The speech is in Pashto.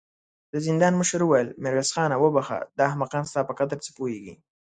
د زندان مشر وويل: ميرويس خانه! وبخښه، دا احمقان ستا په قدر څه پوهېږې.